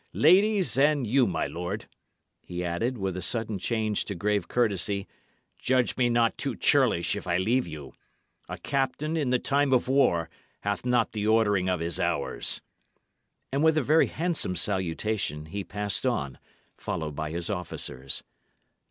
Ladies, and you, my lord," he added, with a sudden change to grave courtesy, "judge me not too churlish if I leave you. A captain, in the time of war, hath not the ordering of his hours." And with a very handsome salutation he passed on, followed by his officers.